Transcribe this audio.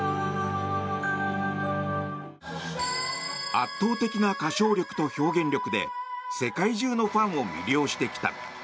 圧倒的な歌唱力と表現力で世界中のファンを魅了してきた。